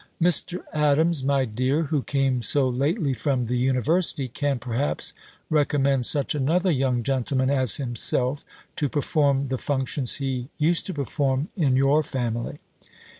"Mr. Adams, my dear, who came so lately from the university, can, perhaps, recommend such another young gentleman as himself, to perform the functions he used to perform in your family."